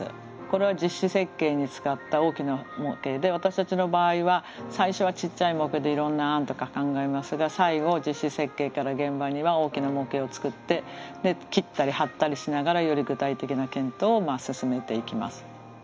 これは実施設計に使った大きな模型で私たちの場合は最初はちっちゃい模型でいろんな案とか考えますが最後実施設計から現場には大きな模型を作って切ったり張ったりしながらより具体的な検討を進めていきます。